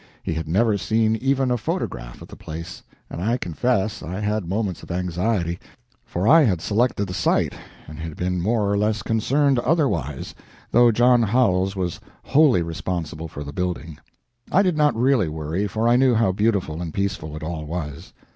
He had never seen even a photograph of the place, and I confess I had moments of anxiety, for I had selected the site and had been more or less concerned otherwise, though John Howells was wholly responsible for the building. I did not really worry, for I knew how beautiful and peaceful it all was.